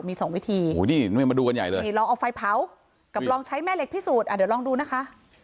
มี๒วิธีลองเอาไฟเผากับลองใช้แม่เหล็กพิสูจน์อ่ะเดี๋ยวลองดูนะคะ